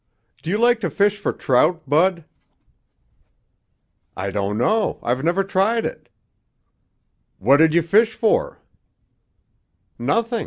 Do you like to fish for trout, Bud?" "I don't know. I've never tried it." "What did you fish for?" "Nothing.